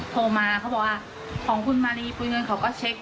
โทรมาเขาบอกว่าของคุณมารีปุ๋ยเงินเขาก็เช็ค